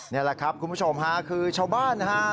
นี่แหละครับคุณผู้ชมฮะคือชาวบ้านนะฮะ